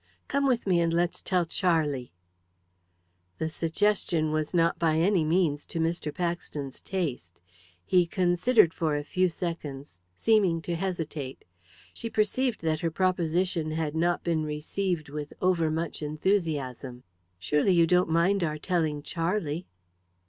"Come with me, and let's tell Charlie." The suggestion was not by any means to Mr. Paxton's taste. He considered for a few seconds, seeming to hesitate. She perceived that her proposition had not been received with over much enthusiasm. "Surely you don't mind our telling Charlie?"